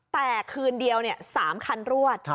แต่คืนเดียว๓คันรวด